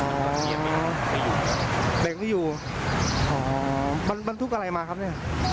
เด็กไม่อยู่หรอว่าเนี้ยแบบอะไรแบบทุกคนแบบอะไรมาครับอ่ะ